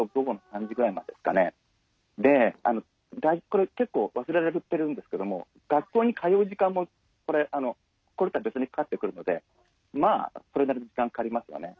これ結構忘れられてるんですけども学校に通う時間もこれとは別にかかってくるのでそれなりに時間かかりますよね。